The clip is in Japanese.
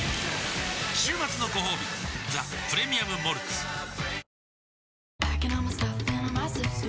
週末のごほうび「ザ・プレミアム・モルツ」あっ！！！